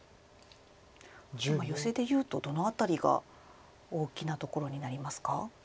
ヨセでいうとどの辺りが大きなところになりますか？